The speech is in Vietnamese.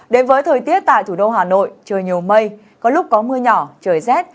đến với thời tiết tại thủ đô hà nội trời nhiều mây có lúc có mưa nhỏ trời rét